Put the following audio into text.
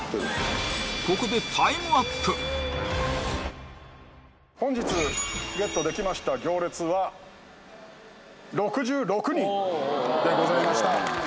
ここで本日ゲットできました行列はでございました